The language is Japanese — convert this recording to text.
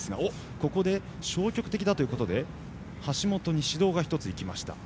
ここで消極的だということで橋本に指導が１ついきました。